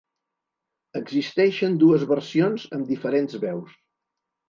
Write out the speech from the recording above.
Existeixen dues versions amb diferents veus.